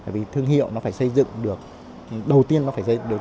vì thương hiệu nó phải xây dựng được đầu tiên nó phải xây dựng được